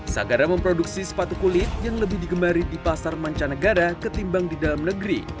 sagara memproduksi sepatu kulit yang lebih digemari di pasar mancanegara ketimbang di dalam negeri